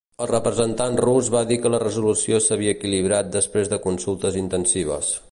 El representant rus va dir que la resolució s'havia equilibrat després de consultes intensives.